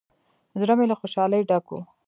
زړه مې له خوشالۍ ډک و.